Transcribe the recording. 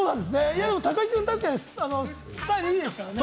高木くん、確かにスタイルいいですからね。